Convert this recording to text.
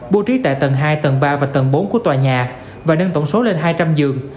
bố trí tại tầng hai tầng ba và tầng bốn của tòa nhà và nâng tổng số lên hai trăm linh giường